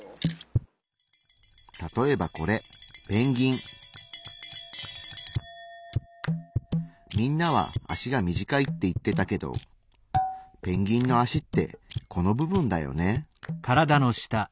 例えばこれみんなは脚が短いって言ってたけどペンギンの脚ってこの部分だよね。